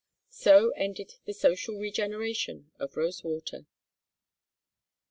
So ended the social regeneration of Rosewater.